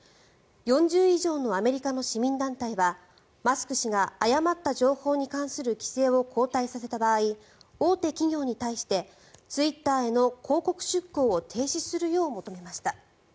４０以上のアメリカの市民団体はマスク氏が誤った情報に関する規制を後退させた場合大手企業に対してツイッターへの広告出稿を停止するよう求めました。